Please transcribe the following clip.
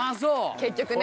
結局ね。